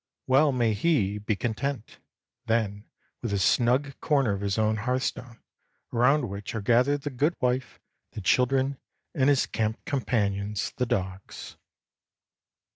Well may he be content, then, with the snug corner of his own hearthstone, around which are gathered the good wife, the children, and his camp companions, the dogs.